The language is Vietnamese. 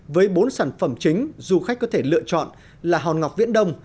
với bốn sản phẩm chính du khách có thể lựa chọn là hòn ngọc viễn đông